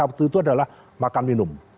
maka kebutuhan sabtu itu adalah makan minum